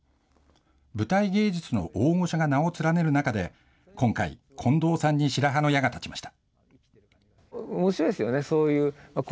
舞台芸術の大御所が名を連ねる中で、今回、近藤さんに白羽の矢が立ちました。